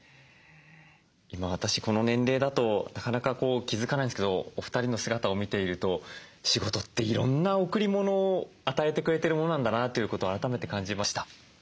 今私この年齢だとなかなか気付かないんですけどお二人の姿を見ていると仕事っていろんな贈り物を与えてくれてるものなんだなということを改めて感じました。